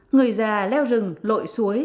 người già leo rừng lội suối